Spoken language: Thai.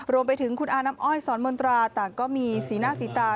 รวมไปถึงคุณอาน้ำอ้อยสอนมนตราต่างก็มีสีหน้าสีตา